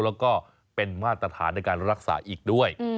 แล้วก็เป็นมาตรฐานในการรักษาอีกด้วย